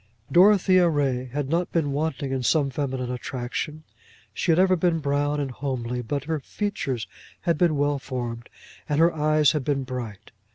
Dorothea Ray had not been wanting in some feminine attraction. She had ever been brown and homely, but her features had been well formed, and her eyes had been bright.